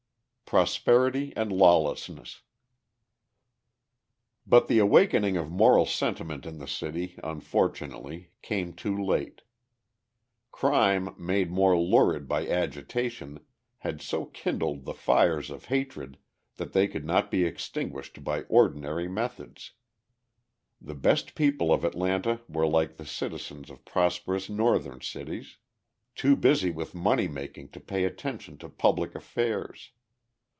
Prosperity and Lawlessness But the awakening of moral sentiment in the city, unfortunately, came too late. Crime, made more lurid by agitation, had so kindled the fires of hatred that they could not be extinguished by ordinary methods. The best people of Atlanta were like the citizens of prosperous Northern cities, too busy with money making to pay attention to public affairs.